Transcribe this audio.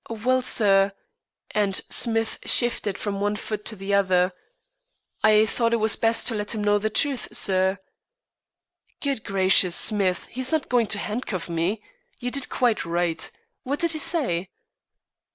"Well, sir," and Smith shifted from one foot to the other, "I thought it best to let him know the truth, sir." "Good gracious, Smith, he is not going to handcuff me. You did quite right. What did he say?"